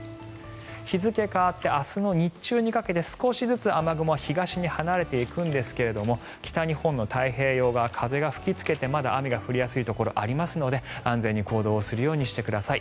日付変わって明日の日中にかけて少しずつ雨雲は東に離れていくんですが北日本の太平洋側風が吹きつけてまだ雨が降りやすいところがありますので安全に行動するようにしてください。